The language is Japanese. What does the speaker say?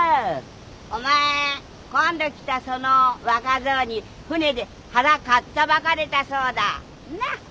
お前今度来たその若造に船で腹かっさばかれたそうだなっ。